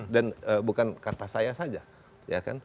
dan bukan kata saya saja